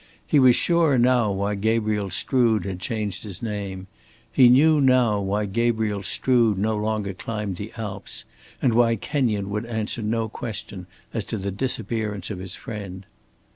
He was sure now why Gabriel Strood had changed his name; he knew now why Gabriel Strood no longer climbed the Alps; and why Kenyon would answer no question as to the disappearance of his friend.